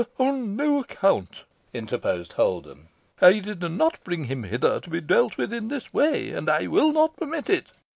"On no account," interposed Holden. "I did not bring him hither to be dealt with in this way, and I will not permit it.